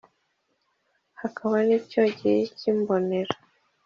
hakaba n’icyogeye k’imbonera,